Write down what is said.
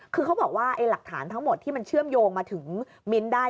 คือเขาบอกว่าหลักฐานทั้งหมดที่มันเชื่อมโยงมาถึงมิ้นท์ได้